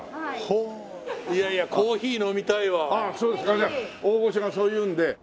じゃあ大御所がそう言うんで。